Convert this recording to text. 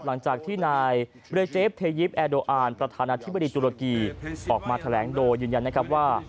หลังจากที่นายเรเจฟเทยิปแอโดอานประธานาธิบดีตุรกีออกมาแถลงโดยยืนยันนะครับว่า